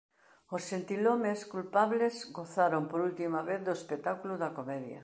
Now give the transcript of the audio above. Os xentilhomes culpables gozaran por última vez do espectáculo da comedia.